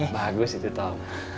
bagus itu tom